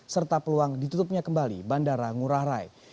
serta peluang ditutupnya kembali bandara ngurah rai